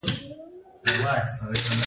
دوی د کرنې ښه سیستم درلود